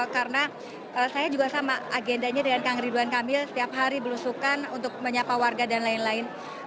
karena saya juga sama agendanya dengan kang ridwan kamil setiap hari berusukan untuk menyapa warga dan lain lain